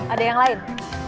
ada yang lain